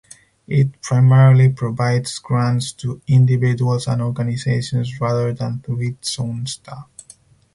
It primarily provides grants to individuals and organizations rather than through its own staff.